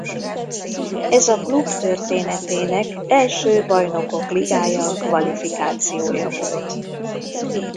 Ez a klub történetének első Bajnokok Ligája kvalifikációja volt.